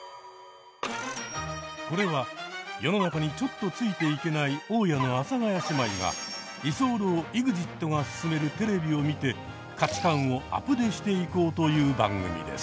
これは世の中にちょっとついていけない大家の阿佐ヶ谷姉妹が居候ＥＸＩＴが勧めるテレビを見て価値観をアプデしていこうという番組です。